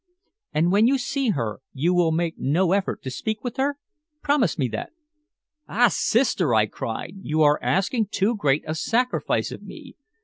"And when you see her you will make no effort to speak with her? Promise me that." "Ah, Sister!" I cried. "You are asking too great a sacrifice of me.